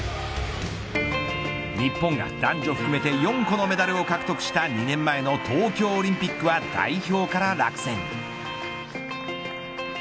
日本が男女含めて４個のメダルを獲得した２年前の東京オリンピックは代表から落選。